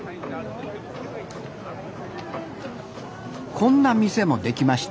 こんな店もできました